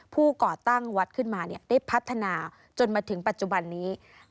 ก่อตั้งวัดขึ้นมาได้พัฒนาจนมาถึงปัจจุบันนี้